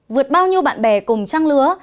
vượt bao nhiêu bạn bè cùng trang lứa